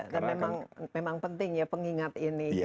dan memang penting ya pengingat ini